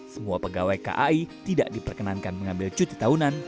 semua pegawai kai tidak diperkenankan mengambil cuti tahunan